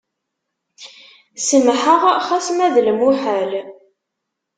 Semḥeɣ xas ma d lemuḥal.